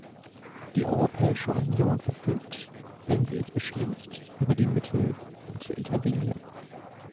Die Europäische Union verfügt, wenn sie es beschließt, über die Mittel, um zu intervenieren.